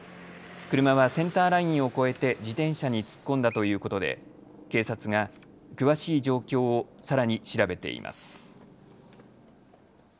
車はセンターラインを越えて自転車に突っ込んだということで警察が詳しい状況をさらに調べています。